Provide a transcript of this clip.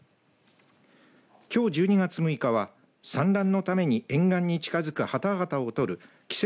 きょう１２月６日は産卵のために沿岸に近づくハタハタを取る季節